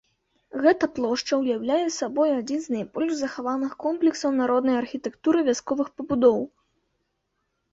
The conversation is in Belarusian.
Гэта плошча ўяўляе сабой адзін з найбольш захаваных комплексаў народнай архітэктуры вясковых пабудоў.